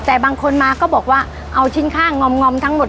แต่บางคนมาก็บอกว่าเอาชิ้นข้างงอมทั้งหมด